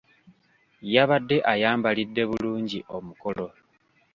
Yabadde ayambalidde bulungi omukolo.